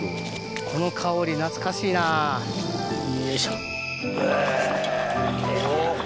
この香り懐かしいなよいしょ。